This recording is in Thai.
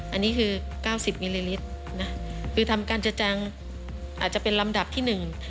อันนี้คือ๙๐มิลลิลิตรคือทำการเจื้อจางอาจจะเป็นลำดับที่๑